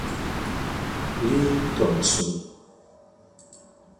Lee Thompson